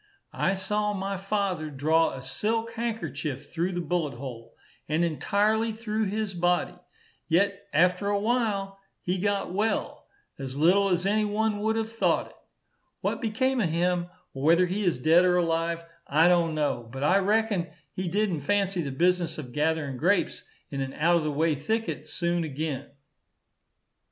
I saw my father draw a silk handkerchief through the bullet hole, and entirely through his body; yet after a while he got well, as little as any one would have thought it. What become of him, or whether he is dead or alive, I don't know; but I reckon he did'ent fancy the business of gathering grapes in an out of the way thicket soon again.